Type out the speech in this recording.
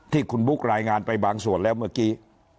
ที่คุณบุ๊ครายงานไปบางส่วนแล้วเมื่อกี้